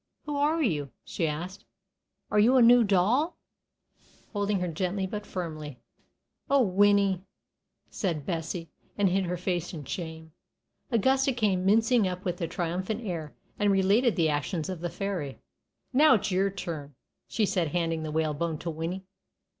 "Who are you?" she asked. "Are you a new doll?" holding her gently but firmly. "Oh, Winnie!" said Bessie, and hid her face in shame. Augusta came mincing up with a triumphant air, and related the action of the fairy. "Now it's your turn," she said, handing the whalebone to Winnie.